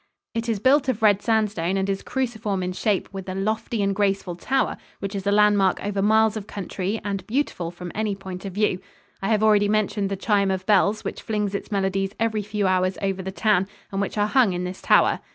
It is built of red sandstone and is cruciform in shape, with a lofty and graceful tower, which is a landmark over miles of country and beautiful from any point of view. I have already mentioned the chime of bells which flings its melodies every few hours over the town and which are hung in this tower.